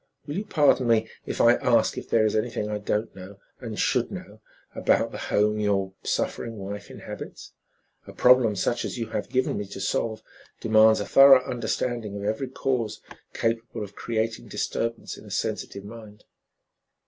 Will you pardon me if I ask if there is anything I don't know, and should know, about the home your suffering wife inhabits? A problem such as you have given me to solve demands a thorough understanding of every cause capable of creating disturbance in a sensitive mind."